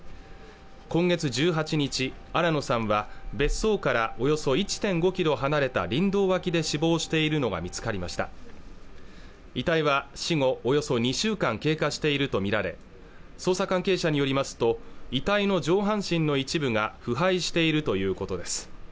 今月１８日新野さんは別荘からおよそ１．５キロ離れた林道脇で死亡しているのが見つかりました遺体は死後およそ２週間経過していると見られ捜査関係者によりますと遺体の上半身の一部が腐敗しているということです